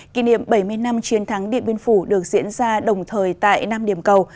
kỷ niệm bảy mươi năm chiến thắng điện biên phủ được diễn ra đồng thời tại năm điểm cầu